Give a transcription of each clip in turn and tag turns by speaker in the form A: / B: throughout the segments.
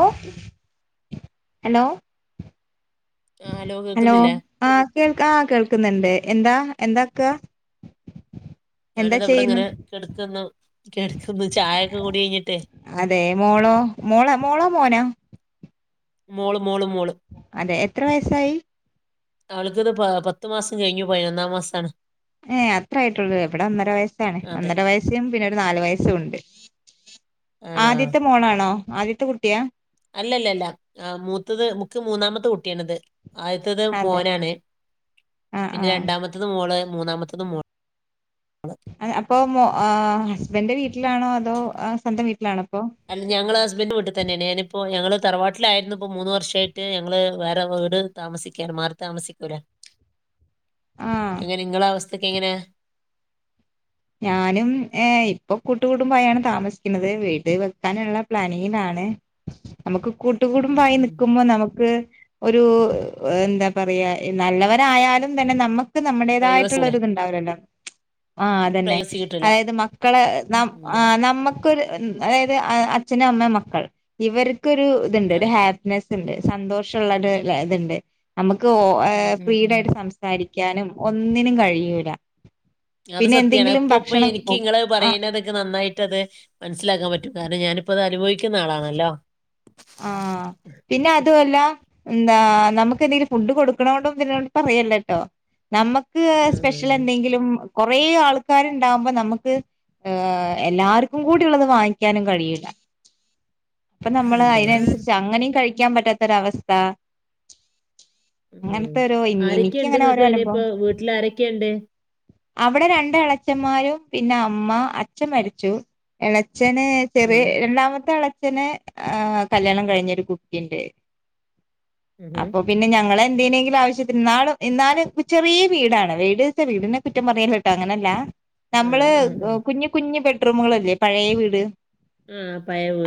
A: ഉം ഹലോ
B: ആ
A: ഹലോ
B: കേൾക്കുന്നില്ലേ
A: ആഹ് കേൾക്കാ ആഹ് കേൾക്കുന്നുണ്ട് എന്താ എഎന്താക്ക.
B: ഞാനിതാ ഇവിടെ ഇങ്ങനെ കെടക്കുന്നു കെടക്കുന്നു ചായ ഒക്കെ കുടി കഴിഞ്ഞിട്ടേ.
A: അതെ മോളോ മോളോ മോളോ മോനോ.
B: മോള് മോള് മോള്.
A: അതെ എത്ര വയസ്സായി.
B: അവൾക്കിത് പ പത്ത് മാസം കഴിഞ്ഞു പയിനൊന്നാം മാസാണ്.
A: ഏഹ് അത്ര ആയിട്ടുള്ളൂലേ ഇവടെ ഒന്നര വയസ്സാണ്
B: അതെ
A: ഒന്നര വയസ് യും പിന്നെരു നാല് വയസ്സും ഉണ്ട്
B: ആണോ
A: ആദ്യത്തെ മോളാണോ ആദ്യത്തെ കുട്ടിയാ.
B: അല്ല അല്ല അല്ല ഏഹ് മൂത്തത് ഇക്ക് മൂന്നാമത്തെ കുട്ടിയാണിത്. ആദ്യത്തത്
A: അതെ
B: മോനാണ്
A: ആ ആ
B: പിന്നെ രണ്ടാമത്തത് മോള് മൂന്നാമത്തതും മോള്.
A: അപ്പൊ ഹസ്ബൻന്റെ ഏഹ് വീട്ടിലാണോ അതോ സ്വന്തം വീട്ടിലാണോ ഇപ്പൊ.
B: അല്ല ഞങ്ങൾ ഹസ്ബൻഡ് വീട്ടിൽ തന്നെയാണ് ഞാനിപ്പോ ഞങ്ങള് തറവാട്ടിലായിരുന്നു ഇപ്പോ മൂന്ന് വർഷായിട്ട് ഞങ്ങള് വേറെ വീട് താമസിക്കാണ് മാറി താമസിക്കൂലേ
A: ആ
B: എങ്ങനെ ഇങ്ങളെ അവസ്ഥക്കെ എങ്ങനെ.
A: ഞാനും ഏഹ് ഇപ്പൊ കൂട്ട് കുടുംബയാണ് താമസിക്കുന്നത് വീട് വെക്കാനുള്ള പ്ലാനിങ്ങിലാണ്. നമുക്ക് കൂട്ട്
B: ഉം
A: കൂടുബായി
B: ഉം
A: നിക്കുമ്പോ നമുക്ക് ഒരു എന്താ പറയാ നല്ലവരായാലും തന്നെ നമുക്ക്
B: പ്രൈവസി
A: നമ്മുടേതായിട്ടുള്ളരിതുണ്ട് ണ്ടാവുലല്ലോ ആഹ്
B: ഒരു
A: അതന്നെ
B: പ്രൈവസി കിട്ടില്ല
A: അതായത് മക്കളെ ന
B: ഉം
A: നമ്മക്ക് ക്കര് അതായത് അച്ഛനും അമ്മ മക്കൾ ഇവർക്കരു ഇത്ണ്ട് ഒര്
B: അതെ
A: ഹാ
B: അതെ.
A: നസ്ണ്ട് സന്തോഷള്ളര് ലെ ഇത്ണ്ട് നമക്ക്
B: ഉം ഉം ഉം
A: ഫ്രീഡായിട്ട് സംസാ സാരിക്കാനും ഒന്നിനും കഴിയൂല.
B: അത്
A: പിന്നെ
B: സത്യാണ്
A: എന്തെങ്കിലും
B: ഇപ്പം ഇപ്പം
A: ഭക്ഷണം
B: എനിക്ക് ഇങ്ങള് അത്
A: ആഹ്
B: പറയണത് ക്ക് നന്നായിട്ട് അത് മനസ്സിലാക്കാൻ പറ്റും കാരണം ഞാനിപ്പോ അത് അനുഭവിക്കുന്ന ആളാണല്ലോ.
A: ആഹ് പിന്നെ അതു അല്ല എന്താ നമുക്ക് എന്തെങ്കിലും ഫുഡ് കൊടുക്ക്ണോണ്ടുംഇതിനോ ണ്ടും പറയല്ലട്ടോ. നമ്മക്ക് സ്പെഷ്യൽ
B: ഉം
A: എന്തെങ്കിലും കൊറേ ആൾക്കാരുണ്ടാവുമ്പോ നമ്മക്ക് ഏഹ് എല്ലാർക്കും കൂടി ഉള്ളത് വാങ്ങിക്കാനും കഴിയില്ല അപ്പൊ നമ്മള്
B: അതെ
A: അയി
B: അതെ.
A: ട്ട് അങ്ങനെയും കഴിക്കാൻ പറ്റാത്തൊരവസ്ഥ
B: ഉം
A: അങ്ങനത്തെരു ഇ
B: ആരൊക്കെയുണ്ട്
A: എനിക്കങ്ങനെ ഓരോ
B: ഇങ്ങക്ക് അയിന്
A: അനുഭവം
B: ഇപ്പൊ വീട്ടില് ആരൊക്കെയുണ്ട്
A: അവിടെ രണ്ട് എളച്ചന്മാരും പിന്നെ അമ്മ അച്ഛൻ മരിച്ചു എളച്ചന് ചെറിയ
B: ഉം
A: രണ്ടാമത്തെ എളച്ഛന് ഏഹ് കല്യാണം കഴിഞ്ഞ്രു കുട്ടിണ്ട്.
B: ഉം ഉം
A: അപ്പൊ പിന്നെ ഞങ്ങള് എന്തിനേങ്കിലും ആവശ്യത്തിന് ഇന്നലും ഇന്നാലും ചെറിയ വീടാണ് വീട്ച്ചാ വീടിന് കുറ്റം പറയല്ലട്ടോ അങ്ങനെയല്ലാ നമ്മള്
B: ആഹ് ആഹ് ആഹ്
A: കുഞ്ഞ് കുഞ്ഞ് ബെഡ്റൂമുകൾല്ലേ പയേ വീട്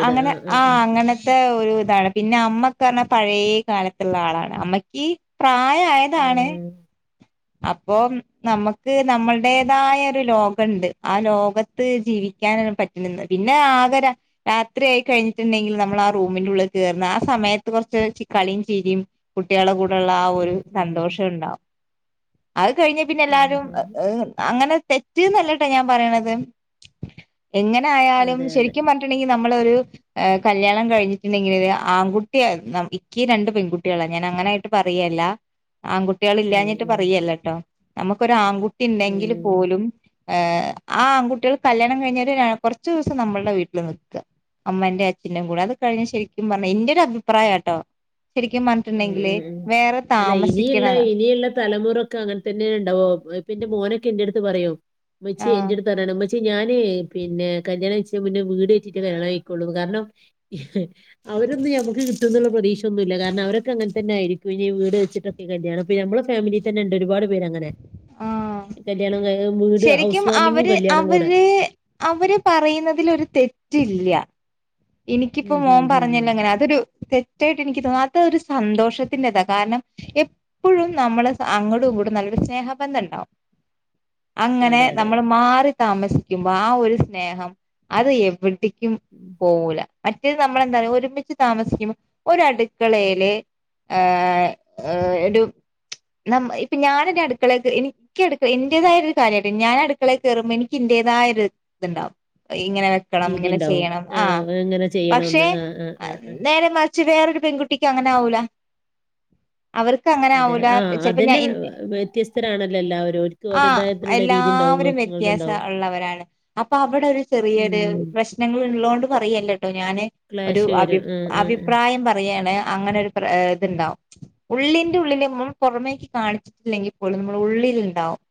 A: അങ്ങനെ ആഹ് അങ്ങനെ ത ഒരു ഇതാണ് പിന്നെ അമ്മക്ക് പറഞ്ഞാൽ പഴയ കാലത്തുള്ള ആളാണ് അമ്മയ്ക്ക് പ്രാ എ
B: ആഹ്
A: എതാണ് അപ്പോ നമ്മക്ക് നമ്മളേടേതായ ഒരു ലോകണ്ട് ആ ലോകത്ത് ജീവിക്കൻ പ റ്റുന്നത് പിന്നെ ആകെ രാ രാത്രി ആയി കഴിഞ്ഞിട്ടുണ്ടെങ്കിൽ നമ്മളാ റൂമിന്റെ ഉള്ളിൽ കയർന്നേ ആ സമയത്ത് കുറച്ച് ചി കളിയും ചീരിയും. കുട്ടിളെ കൂടെയുള്ള ആ
B: ഉം
A: ഒരു
B: ഉം ഉം ഉം.
A: സന്തോഷം ഇണ്ടാവും. അത് കഴിഞ്ഞ പിന്നെ
B: അതെ
A: എല്ലാരും
B: അതെ
A: അങ്ങനെ അഹ് ഹ് തെ റ്റ് അല്ലട്ടാ ഞാൻ പറയണത് എങ്ങനെ ആയാലും
B: അതെ അതെ
A: ശേരിക്കും പറഞ്ഞ ണ്ടുണ്ടെങ്കി നമ്മള് ഒരു കല്യാണം കഴി എനിക്ക് ഇണ്ടാങ്കില് ആൺകുട്ടിയ ഇക്കി രണ്ട് പെൺകുട്ടികളാ ഞാൻ അങ്ങനെ ആയിട്ട് പറയല്ലാ ആൺകുട്ടിളെ
B: ഉം
A: ഇല്ലാഞ്ഞിട്ട്
B: ഉം
A: പറയല്ലോട്ടോ നമുക്കൊരു ആൺകുട്ടി ഇണ്ടെങ്കിൽ
B: ഉം
A: പോലും. ഏഹ് ആ ആൺകുട്ടിള് കല്യാണം കഴിഞ്ഞാല് കൊറച്ചു ദിവസം നമ്മൾടെ വീട്ടില് നിക്കാ. അമ്മേന്റെം അച്ഛന്റെം കൂടെ അത് കഴിഞ്ഞ ശരിക്കും പറഞ്ഞ എന്റെ ഒരു അഭിപ്രായം ആട്ടോ ശരിക്കും പ
B: ഉം ഉം ഉംമ് അല്ല ഇനിയുള്ള ഇനിയുള്ള തലമുറ ഇക്ക് അങ്ങനെ തന്നെ ഉണ്ടാവോ ഇപ്പ ഇന്റെ മോനൊക്കെ എന്റെടുത്ത് പറയും. ഉമ്മച്ചി
A: ആഹ്
B: എന്റാടുത്ത് പറയണ് ഉമ്മച്ചി ഞാന് പിന്നെ കല്യാണം കഴിച്ച് മുന്നേ വീട് കൊറ്റിട്ട് കല്യാണം കഴിക്കൊള്ളൂന്ന്. കാരണം അവരൊന്നും ഞമ്മക്ക് കിട്ടുന്നുള്ള പ്രതീക്ഷയൊന്നുല്ല കാരണം അവരൊ ഒക്കെ അങ്ങനെ തന്നെയായിരിക്കും ഇനി വീട് വെച്ചിട്ടൊക്കെ കല്യാണം ഇപ്പ നമ്മളെ ഫാമിലിയിൽ തന്നെ ഇണ്ട് ഒരുപാട്. ങ്ങനെ
A: ആഹ്
B: കല്യാണം കാ വീട് ഹൗസ്
A: ശരിക്കും
B: വാമിങ്ങും
A: അവര്
B: കല്യാണം കൂടെ
A: അവര് അവര് പറയുന്നതിലും ഒരു തെറ്റില്ല. എനിക്കിപ്പോ
B: ഉം ഉം
A: മോൻ
B: ഉം ഉം
A: പറഞ്ഞല്ലോ ഇങ്ങനെ അതൊരു തെ ത്യായിട്ട് എനിക്ക് തോന്നുന്നു അതൊരു സന്തോഷത്തിന്റെ ഇതാ കാരണം എ എപ്പഴും നമ്മള് അങ്ങാടും ഇങ്ങാടും നല്ലൊരു സ്നേഹബന്ധം ഇണ്ടാവും. അങ്ങനെ
B: അതെ അതെ അതെ.
A: നമ്മള് മാറി താമസിക്കുമ്പോ ആ ഒരു സ്നേഹം അത് എവടിക്കും.
B: ഉം.
A: പോവൂല മറ്റേത് നമ്മളെന്താന്ന് അറിയോ ഒരുമിച്ച് താമസിക്കുമ്പോ ഒരു അടുക്കളേല്. ഏ ഏഹ് എടും നമ്മ ഇപ്പ ഞാൻ ഇതാ അടുക്കളേ കേറി എനി ഇക്ക് എടുക്ക ഇന്റെതായൊരു കാര്യാട്ടാ ഞാൻ അടുക്കളേ കേറുമ്പോ ഇനിക്കി ഇന്റെതായ ഒരു ഇത്ണ്ടാവും. ഇങ്ങനെ വെക്കണം
B: രീതി
A: ഇങ്ങനെ
B: ഉണ്ടാവും
A: ചെയ്യണം.
B: ആ
A: ആഹ്
B: എങ്ങനെ ഇങ്ങനെ
A: പക്ഷെ
B: ചെയ്യണംന്ന് ആ ആ ആ ആഹ്
A: നേരെ മറിച്ച് വേറൊരു പെൺകുട്ടിക്ക് അങ്ങനെ ആവൂല. അവർക്ക് അങ്ങനെ
B: അതെ
A: ആവൂല
B: ആഹ്
A: ചെലപ്പോ ഞാ
B: അതന്നെ
A: ഇന്നേ
B: വ്യത്യസ്തരാണല്ലോ എല്ലാവരും ഓര്ക്ക്
A: ആ
B: ഓരുടേതായിട്ടുള്ള രീതി ഉണ്ടാവും
A: എല്ലാവരും
B: ഇങ്ങക്ക്
A: വ്യത്യാസം
B: ഇങ്ങൾതുണ്ടാവും
A: ഒള്ളവരാണ് അപ്പോ അവടെ ഒരു ചെറിയൊര്
B: ഉം
A: പ്രശ്നങ്ങൾ ഉള്ളോണ്ട് പറയല്ലട്ടോ ഞാന് ഒരു
B: ക്ലാഷ്
A: അഭി
B: വരും ആഹ് ആഹ് ആഹ്
A: അഭിപ്രായം പറയാണ് അങ്ങനെ ഒരു പ്ര ഇത്ണ്ടാവും ഉള്ളിന്റെ ഉള്ളില് നമ്മള് പൊറമേക്ക് കാണിച്ചിട്ടില്ലെങ്കില് പോലും നമ്മള് ഉള്ളില് ഇണ്ടാവും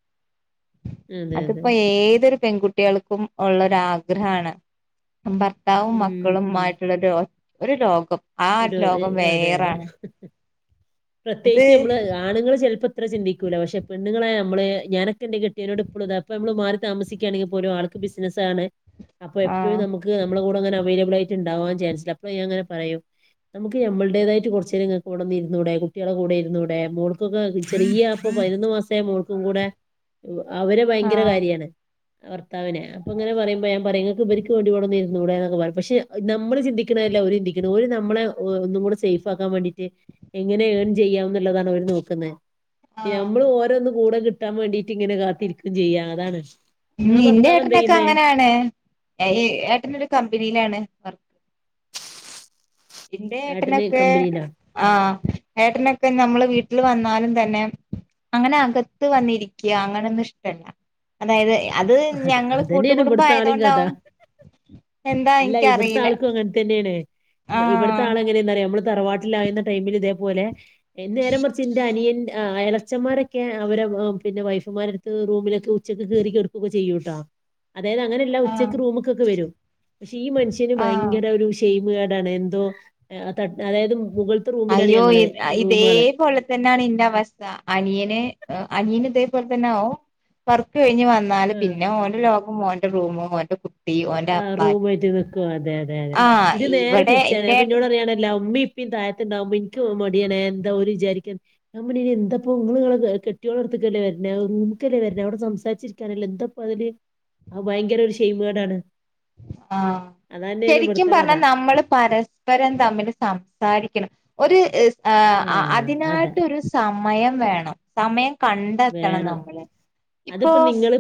B: അതെ അതെ
A: അതിപ്പോ ഏതൊരു പെൺകു ട്ടിൾള്ക്കും ഒള്ളരാഗ്രഹാണ് ഭർത്താവും
B: ഉം ഉം
A: മക്കളുംമായിട്ടുള്ള ഒരു ഒരു ലോകം ആഹ്
B: ഒരു
A: ലോകം
B: എ- അതെ അതെ
A: വേറാണ് അത്
B: പ്രത്യേകിച്ച് നമ്മള് ആഹ് ആണുങ്ങള് ചെൽപ്പം ഇത്ര ചിന്തിക്കൂല്ല പക്ഷെ പെണ്ണുങ്ങളായ നമ്മള് ഞാനൊക്കെ എന്റെ കെട്ടിയനോട് ഇപ്പളും ഇതാ ഇപ്പ നമ്മള് മാറി താമസിക്കാണെങ്കി പോലും ആൾക്ക് ബിസ്നസ്സണ് അപ്പ എപ്പഴും
A: ആഹ്
B: നമുക്ക് നമ്മളെ കൂടെ ഇങ്ങനെ അവൈലബിലായിട്ട് ഇണ്ടാവാൻ ചാൻസില്ല അപ്പോ ഞാൻ ഇങ്ങെനെ പറയും നമുക്ക് നമ്മളുടേതായിട്ട് കൊർച്ചേരം നിങ്ങക്ക് ഇവടെ ഇരുന്നൂടെ കുട്ടിയാളെ കൂടെ ഇരുന്നൂടെ മോൾക്കൊക്കെ ചെറിയ അപ്പ പയിനൊന്ന് മാസ് തേ മോൾക്കും കൂടെ അവരെ
A: ആഹ്
B: കാര്യാണ് ഭർത്താവിനെ അപ്പോ ഇങ്ങനെ പറയുമ്പോ ഞാൻ പറയും നിങ്ങക്ക് ഇമ്പര്ക്ക് വേണ്ടി ഇവിടൊന്നിരുന്നുടെന്ന് പറിം പക്ഷെ നമ്മള് ചിന്തിക്ക്ണല്ല ഓര് ചിന്തിക്ക്ണ് ഓര് ന നമ്മള് ഒ ഒന്നും കൂടെ സേഫ് ആക്കാൻ വേണ്ടീട്ട് എങ്ങനെ ഏൺ ചെയ്യാം ന്നുള്ളതാണ് അവര് നോക്കുന്നേ നമ്മള്
A: ആഹ്
B: ഓരോന്ന് കൂടെ കിട്ടാൻ വേണ്ടിട്ട് ഇങ്ങനെ കാത്തിരിക്കും ചെയ്യാ അതാണ്
A: ഉം
B: നിങ്ങളെ
A: ഇന്റെ
B: ഭർത്താവ് എന്താ
A: ഏട്ടന് ഒക്കെ
B: ചെയ്യുന്നേ
A: അങ്ങനാണ് അയി ഏട്ടന് ഒരു കമ്പനിലാണ് വർക്ക് ഇന്റെ
B: ഏട്ടന്
A: ഏട്ടനൊക്കെ
B: കമ്പനിയിലാണ് ഉം.
A: ആഹ് ഏട്ടനൊക്കെ നമ്മള് വീട്ടിൽ വന്നാലും തന്നെ അങ്ങനെ അകത്ത് വന്നിരിക്ക അങ്ങനൊന്നും ഇഷ്ടല്ല അതായത് എ അത്
B: അത
A: ഞങ്ങള്
B: അതന്നെയാണ്
A: കൂട്ടുകടുംബ
B: ഇവിടുത്തെ ആളെയും കഥ
A: ആയതോണ്ടാവും എന്താ എനിക്കറിയില്ല
B: തന്നേണ് ഇവിട്ത്തെ
A: ആഹ്
B: ആളെങ്ങനെ എന്താ പറയാ നമ്മള് തറവാട്ടില ആയിരുന്ന ടൈമില് ഇതേപോലെ നേരെമർച്ച് ഇന്റെ അനിയൻ എളച്ചന്മാരൊക്കെ അവര് പിന്നെ വൈഫുമാരെട്ത്ത് റൂമിലൊക്കെ ഉച്ചക്ക് കേറി കെട്കൊക്കെ ചെയ്യൂട്ടോ അതായത് അങ്ങനെല്ലാ ഉച്ചക്ക്
A: ആഹ്
B: റൂമ് കൊക്കെ വെരും പക്ഷെ ഈ മൻഷ്
A: ആഹ്
B: ഭയങ്കര ഒരു ഷെയിമുകേടാണ് എന്തോ ത അതായത് മുകൾ
A: അയ്യോ ഇ ഇതേ പോൽ തന്നെണ് ഇന്റെ അവസ്ഥ അനിയന് അനിയന് ഇതേപോലെ തന്നെആവും വർക്ക്‌ കഴിഞ് വന്ന ന്നാല്
B: ആഹ്
A: പിന്നെ ഓന്റെ ലോഗും ഓന്റെ റൂമും ഓന്റെ കു
B: ആഹ് റൂമുആയിട്ട് നിക്കും അതെ അതെ അതെ
A: ആഹ്
B: ഇത് നേരെ
A: ഇവിടെ
B: തിരിച്ചാണ്
A: എന്റെ
B: അപ്പം ഇന്നോട് പറിയണല്ലോ ഉമ്മി പി താഴത്തിണ്ടാവുമ്പോ ഇൻക്ക് മടിയനേ എന്താ ഓര് വിചാരിക്ക ഞാൻ പറഞ്ഞ് അയ്ന് എന്താപ്പം ഇങ്ങള് ഇങ്ങളെ കെട്ട്യോളെ എട്ത്ത്ക്കല്ലെ വര്ണേ റൂമ്ക്കല്ലെ വര്ണത് അവടെ സംസാരിച്ചിരിക്കാനല്ലെ എന്താപ്പം അതില് ആ ഭയങ്കര ഒരു ഷൈയിം കേടാണ്
A: ആഹ്
B: അതന്നെയാണ്
A: ശരിക്കും
B: ഇവിടുത്തെ കഥ
A: പർഞ്ഞാ നമ്മള് പരസ് പരസ്പരം തമ്മിൽ സംസാരിക്കണം ഒരു ആഹ് അ അതിനായിട്ടരു സമയം വേണം സമയം കണ്ടെത്തണം നമ്മള് ഇപ്പോ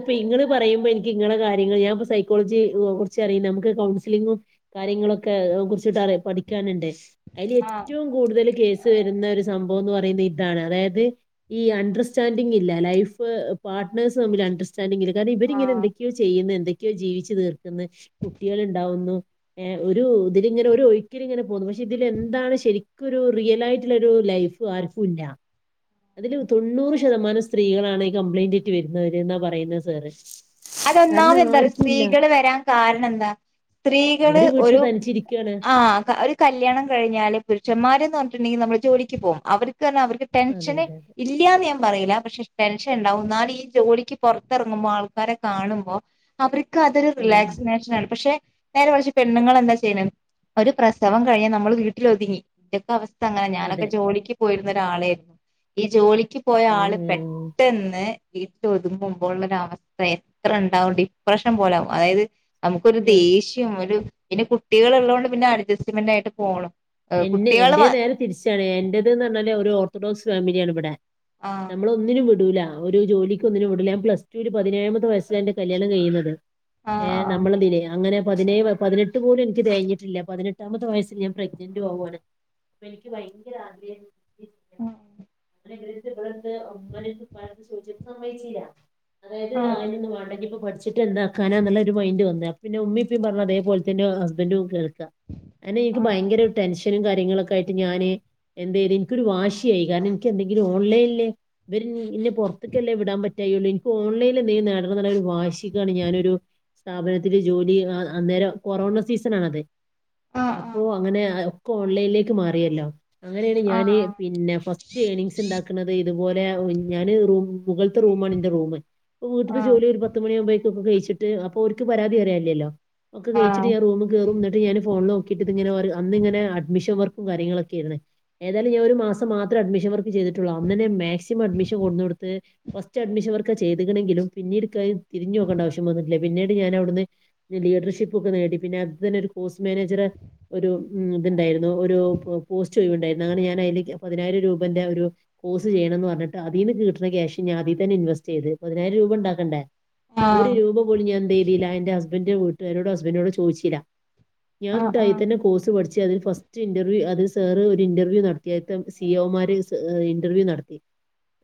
B: ഇപ്പൊ ഇങ്ങള് പറയുമ്പോ എനിക്ക് ഇങ്ങളെ കാര്യങ്ങൾ ഞാൻ സൈക്കോളജി കൊർച്ച് അറിയും നമുക്ക് കൗൺസിലിങ്ങും കാര്യങ്ങളൊക്കെ കുറിച്ചിട്ടാണ് പഠിക്കാനുണ്ട് അതിൽ
A: ആഹ്
B: ഏറ്റവും കൂടുതൽ കേസ് വരുന്ന ഒര് സംഭവം എന്ന് പറയുന്നത് ഇതാണ് അതായത് ഈ അണ്ടർസ് സ്റ്റാൻഡിങ് ഇല്ല ലൈഫ് പാറ്റ്നേഴ്സ് തമ്മില് അണ്ടർസ്റ്റാണ്ടിങ്ങില്ല കാരണം ഇവരിങ്ങനെ
A: ആഹ്
B: എന്തൊ ക്കെയോ ചെയ്യുന്നന്ന് എന്തൊക്കേ ജീവിച്ചു തീർക്കുന്ന് കുട്ടിയേള് ഇണ്ടാവുന്നു ഏ ഒരു ഇതിലിങ്ങനെ ഒരു ഒഴു ക്കിലിങ്ങനെ പോകുന്നു പക്ഷെ ഇതില എന്താണ് ശെരി ഒരു റിയലായിട്ടുള്ള ലൈഫ് ആർക്കും ഇല്ല. അതില് തൊണ്ണൂർശ് തമാനം സ്ത്രീകളാണ് ഈ കംപ്ലയിന്റ് ആയിട്ട് വരുന്നത് എന്നാ പറയുന്നത് സേറ്
A: അതൊന്നാമത് എന്താ സ്ത്രീകള് വരാൻ കാരണം എന്താ സ്ത്രീകള്
B: അവര് വീട്ടില്
A: ഒരു
B: തനിച്ചിരിക്കാണ്
A: ആഹ് കാരി കല്യാണം കഴിഞ്ഞാല് പുരുഷന്മാരെന്ന് പറഞ്ഞിട്ടുണ്ടെങ്കിൽ നമ്മള് ജോലിക്ക് പോകും അവർക്ക് തന്നെ അവർക്ക്
B: അതെ
A: ടെൻഷന്
B: അതെ
A: ഇല്ലാന്ന് ഞാൻ പറയില്ല പക്ഷെ ടെൻഷൻ ഉണ്ടാവും എന്നാൽ ഈ ജോലിക്ക് പുറത്തിറങ്ങുമ്പോൾ ആൾ ക്കാരെ കാണുമ്പോ അവർക്ക് അതൊരു
B: ഉം
A: റിലാക്സിനേഷൻ ആണ് പക്ഷെ നേരെ മറിച്ച് പെണ്ണുങ്ങൾ എന്താ ചെയ്യണേ ഒരു പ്രസവം കഴിഞ്ഞാൽ നമ്മള് വീട്ടില് ഒതുങ്ങി ഇതൊക്കെ അവസ്ഥ അങ്ങനെ ഞാനൊക്കെ
B: അതെ
A: ജോലിക്ക് പോയിരുന്ന ഒരാളായിരുന്നു ഈ ജോലിക്ക് പോയ ആള്
B: ഉം
A: പെട്ടെന്ന് വീട്ടിൽ ഒതുങ്ങുമ്പോ ഉള്ളൊരു അവസ്ഥ എത്ര ഉണ്ടാവും ഡിപ്രഷൻ പോലാവും അതായത് നമുക്കൊരു ദേ
B: സത്യം
A: ഷ്യം വരും പിന്നെ കുട്ടികൾ ഉള്ളത് കൊണ്ട് പിന്നെ അഡ്ജസ്റ്റ്മെന്റ് ആയിട്ട് പോകണം
B: എന്നെ എന്റെ നേരെ തിരിച്ചാണ് എന്റേതെന്ന് പറഞ്ഞാല് ഒരു ഓർത്തഡോക്സ് ഫാമിലിയാണ് ഇവിടെ
A: ആഹ്
B: നമ്മളെ ഒന്നിനും വിടൂല ഒരു ജോലിക്ക് ഒന്നിനും വിടില്ല ഞാൻ പ്ലസ് ടുവിൽ പതിനേഴാമത്തെ വയസ്സിലാ എന്റെ കല്യാണം കഴിയുന്നത് ഏ
A: ആഹ്
B: നമ്മളെന്ത്‌ ചെയ്യാൻ അങ്ങനെ പതിനേ പതിനെട്ട് പോലും എനിക്ക് തികഞ്ഞിട്ടില്ല പതിനെട്ടാമത്തെ വയസ്സിൽ ഞാൻ പ്രെ ഗ്നന്റും ആകുവാണ് അപ്പോ എനിക്ക് ഭയങ്കര ആഗ്രഹവായിരുന്നു [unintelligible] [unintelligible] ഉമ്മാടെ അടുത്തും ഉപ്പാടെ അടുത്തും ചോദിച്ചപ്പോ സമ്മയച്ചില്ല അതായത് ആ
A: ആഹ്
B: ഇനിയൊന്നും വേണ്ട ഇനിയിപ്പോ പഠി ച്ചിട്ട് എന്താക്കാനാ എന്നുള്ള ഒരു മൈന്റ് വന്നത് അപ്പോ പിന്നെ ഉമ്മയും ഉപ്പയും പറഞ്ഞ അതേപോലെ തന്നെയാ ഹസ്ബൻഡും കേൾക്കുക അങ്ങനെ എനിക്ക്
A: ആഹ്
B: ഭയങ്കര ടെൻഷനും കാര്യങ്ങളൊക്കെ ആയിട്ട് ഞാന് എന്തേലും എനിക്കൊരു വാശിയായി കാരണം എനിക്ക് എന്തെങ്കിലും ഓൺലൈനില് ഇവര് എന്നെ പുറത്തേക്കല്ലേ വിടാൻ പറ്റാഴികയുള്ളു എനിക്ക് ഓൺലൈനിൽ എന്തേലും നേടണം എന്നുള്ള ഒരു വാശിക്കാണ് ഞാനൊരു സ്ഥാപനത്തില് ജോലി അന്നേരം കൊറോണ സീസൺ ആണത്
A: ആഹ്
B: അപ്പൊ അങ്ങനെ ഒക്കെ ഓൺലൈനിലേക്ക് മാറിയല്ലോ അങ്ങനെയാണ്
A: ആഹ്
B: ഞാന്
A: ആഹ്
B: പിന്നെ ഫസ്റ്റ് ഏർണിങ്സ് ഉണ്ടാക്കണത് ഇതുപോലെ ഞാന് ഒരു മുകളിലത്തെ റൂമാണ് എന്റെ റൂമ് ഈ വീട്ടിൽത്തെ
A: ആഹ്
B: ജോലി തീരുമ്പോ പത്തുമണി ആകുമ്പഴത്തേക്ക് ഒക്കെ വെവിച്ചിട്ട് അപ്പോ ഓരിക്ക് പരാതി പറയാൻ ഇല്ലല്ലോ ഒക്ക
A: ആഹ്
B: വേവിച്ചിട്ട് ഞാൻ റൂമിൽ കേറും എന്നിട്ട് ഞാന് എന്റെ ഫോണിൽ നോക്കിട്ട് ഇതിങ്ങനെ അന്ന് ഇങ്ങനെ അഡ്മിഷൻ വർക്കും കാര്യങ്ങളും ഒക്കെ ആയിരുന്നേ ഏതായാലും ഞാന് ഒരു മാസം മാത്രം അഡ്മിഷൻ വർക്ക് ചെയ്തിട്ടുള്ളു അന്ന് തന്നെ മാക്സിമം അഡ്മിഷൻ കൊണ്ടുന്ന് കൊടുത്ത് ഫസ്റ്റ് അഡ്മിഷൻ വർക്കാ ചെയ്തിക്കണങ്കിലും പിന്നീട് എനിക്ക് തിരിഞ്ഞ് നോക്കണ്ട ആവശ്യം വന്നിട്ടില്ല പിന്നീട് ഞാൻ അവിടുന്ന് ഞാൻ ലീഡർഷിപ്പ് ഒക്കെ നേടി പിന്നെ അത് തന്നെ ഒരു കോഴ്സ് മാനേജർ ഒരു ഉം ഇണ്ടായിരുന്നു ഒരു പോസ്റ്റ് ഒഴിവ് ഇണ്ടായിരുന്നു അങ്ങനെ ഞാൻ അയിന് പതിനായിരം രൂപന്റെ ഒരു കോഴ്സ് ചെയ്യണം എന്ന് പറഞ്ഞിട്ട് അതീന്ന് കിട്ടണ ക്യാഷ് ഞാൻ അതി തന്നെ ഇൻവസ്റ്റ് ചെയ്ത് പതിനായിരം രൂപ ഒണ്ടാക്കണ്ടേ ഒരു
A: ആഹ്
B: രൂപ പോലും ഞാൻ എന്ത് ചെയ്തില്ല എന്റെ ഹസ്ബഡിന്റെ വീട്ടുകാരോടും ഹസ്ബൻഡിനോടും ചോദിച്ചില്ല ഞാൻ
A: ആഹ്
B: അന്നിട്ട് അതിൽ
A: ആഹ്
B: തന്നെ കോഴ്സ് പഠി ച്ച് ഫസ്റ്റ് ഇന്റർവ്യൂ അത് സാറ് ഒരു ഇന്റർവ്യൂ നടത്തിയപ്പം സി ഒ മാര് സ ഇന്റർവ്യൂ നട ത്തി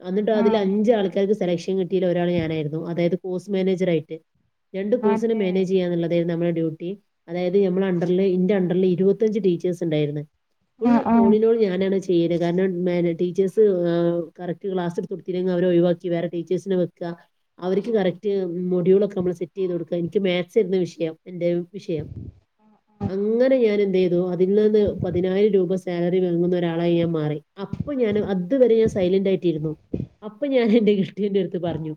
B: അന്നിട്ട് അതില്
A: ആഹ്
B: അഞ്ച് ആൾക്കാർക്ക് സെലക്ഷൻ കിട്ടിയതിൽ ഒരാൾ ഞാനായിരുന്നു അതായത് കോഴ്സ് മാനേജർ ആയിട്ട് രണ്ട് പോസിന്
A: അതെ
B: മാനേജ് ചെയ്യാന്നോള്ളത് ആയിരുന്നു നമ്മടെ ഡ്യൂട്ടി അതായത് നമ്മൾ അണ്ടറിൽ ഇന്റെ അണ്ടറിൽ ഇരുപ ത്തഞ്ച് ടീച്ചേഴ്സ് ഒണ്ടായിരുന്നു ഫുൾ
A: ആഹ് ആഹ്
B: ഓളിനോള് ഞാനാണ് ചെ ചെയ്തത് കാരണം മാന ടീച്ചേഴ്സ് ആ കറക്ട് ക്ലാസ് എടുത്ത് കൊടുത്ത് ഇല്ലെങ്കിൽ അവരെ ഒഴിവാക്കി വേറെ ടീച്ചേഴ്സിനെ വെക്കുക അവർക്ക് കറക്റ്റ് മൊഡ്യൂൾ ഒക്കെ നമ്മള് സെറ്റ് ചെയ്ത് കൊടുക്കുക എനിക്ക് മാത്‍സ് ആരുന്നു വിഷയം എന്റെ വിഷയം വിഷയം അങ്ങനെ ഞാൻ എന്റെ ആ അതിൽ നിന്ന് പതിനായിരം രൂപ സാലറി വാങ്ങുന്ന ഒരാളായി ഞാൻ മാറി അപ്പൊ ഞാന് അതുവരെ സൈലന്റ് ആയി ട്ടിരുന്നു അപ്പൊ ഞാൻ എന്റെ കെട്ടിയോന്റെ അടുത്ത് പറഞ്ഞു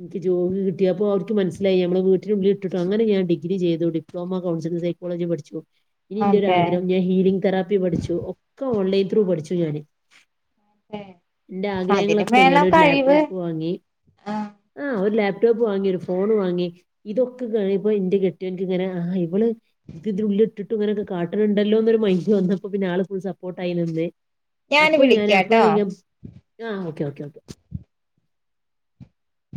B: എനിക്ക് ജോലി കിട്ടി അപ്പോ അവർക്ക് മനസിലായി നമ്മള് വീനുള്ളിൽ ഇട്ടിട്ടും അങ്ങനെ ഞാൻ ഡിഗ്രി ചെയ്തത് ഡ്രോമ കോളേജില് സൈക്കോളജിയും പഠിച്ചു ഇനി എന്റെ ഒരു
A: അതെ
B: അഗ്രഹം ഞാൻ ഹീലിങ് തെറാപ്പി പഠിച്ചു ഒക്കെ ഓൺലൈൻ ത്രൂ പഠിച്ചു ഞാന് എന്റെ ആഗ്രഹങ്ങള്
A: അതിന്
B: ഒക്കെ ഞാന്
A: വേണം
B: ഒരു
A: കഴിവ്
B: ലാപ്ടോപ്പ് വാങ്ങി ആഹ് ഒരു ലാപ്ടോപ്പ് വാങ്ങി ഒരു ഫോണ് വാങ്ങി ഇത് ഒക്കെ കാണുമ്പോ എന്റെ കെട്ടിയോനിക്ക് ഇങ്ങനെ ഇവള് ഇത് എന്തൊരു പുല്ല് ആണ് ഇട്ടിട്ട് ഇങ്ങനെ ഇത് ഇങ്ങനെ കാട്ടണുണ്ടല്ലോ അല്ലോ ഒരു മൈയില് വന്നപ്പോ പിന്നെ ആളെ ഫുള്ള് സപ്പോ പോട്ടയി നിന്ന്
A: ഞാന്
B: അപ്പൊ ഞാൻ അപ്പഴാണ
A: വിളിക്കാട്ടോ
B: ആഹ് ഓക്കെ ഒക്കെ ഓക്കേ